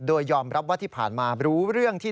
โดยยอมรับว่าที่ผ่านมารู้เรื่องที่